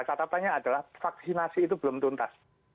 catatannya adalah vaksinasi itu belum tuntas